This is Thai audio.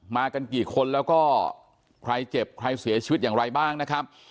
กันกี่คนแล้วก็ใครเจ็บใครเสียชีวิตอย่างไรบ้างนะครับ